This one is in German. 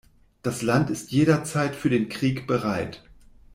Das Land ist jederzeit für den Krieg bereit.